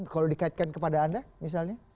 kalau dikaitkan kepada anda misalnya